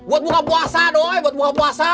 buat buka puasa dong buat buka puasa